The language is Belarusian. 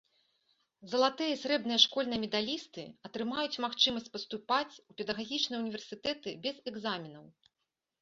Залатыя і срэбныя школьныя медалісты атрымаюць магчымасць паступаць у педагагічныя ўніверсітэты без экзаменаў.